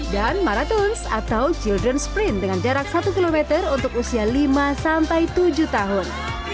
dan maratons atau children's sprint dengan jarak satu km untuk usia lima sampai tujuh tahun